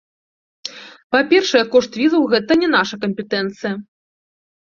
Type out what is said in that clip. Па-першае, кошт візаў гэта не наша кампетэнцыя.